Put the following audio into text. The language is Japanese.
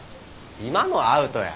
今のアウトや。